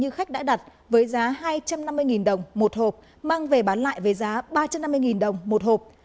như khách đã đặt với giá hai trăm năm mươi đồng một hộp mang về bán lại với giá ba trăm năm mươi đồng một hộp